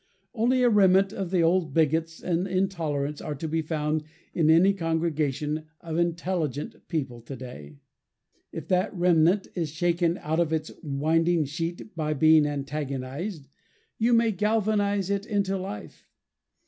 Only a remnant of the old bigots and intolerants are to be found in any congregation of intelligent people of to day. If that remnant is shaken out of its winding sheet by being antagonized, you may galvanize it into life.